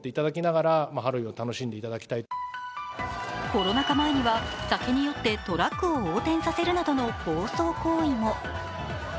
コロナ禍前には、酒に酔ってトラックを横転させるなどの暴走行為も。